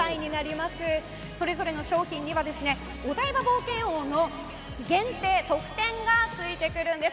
それぞれの商品にはお台場冒険王の限定特典がついてくるんです。